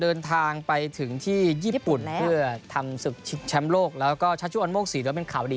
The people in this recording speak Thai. เดินทางไปถึงที่ญี่ปุ่นเพื่อทำสุดแชมป์โลกแล้วก็ช่วยโอ้งโงกษีดังเป็นข่าวดี